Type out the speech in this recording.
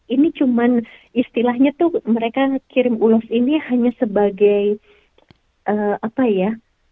ini cuma istilahnya tuh mereka kirim ulos ini hanya sebagai apa ya